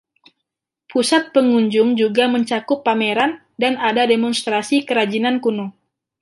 Pusat pengunjung juga mencakup pameran, dan ada demonstrasi kerajinan kuno.